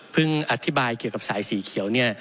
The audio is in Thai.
อธิบายเกี่ยวกับสายสีเขียวเนี่ย